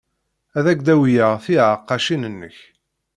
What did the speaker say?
Ad ak-d-awyeɣ tiɛeqqacin-nnek.